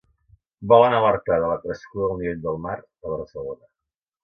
Volen alertar de la crescuda del nivell del mar a Barcelona.